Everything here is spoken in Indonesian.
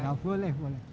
nggak boleh boleh